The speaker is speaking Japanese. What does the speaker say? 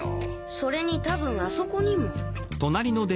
それにたぶんあそこにも。